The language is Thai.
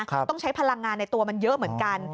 ต้องใช้พลังงานในตัวมันเยอะเหมือนกัน